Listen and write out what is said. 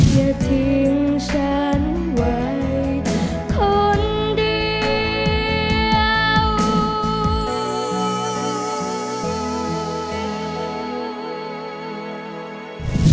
อย่าทิ้งฉันไว้คนเดียว